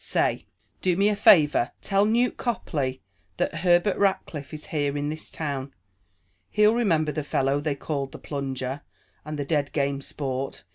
Say, do me a favor; tell Newt Copley that Herbert Rackliff is here in this town. He'll remember the fellow they called 'the plunger,' and 'the dead game sport.'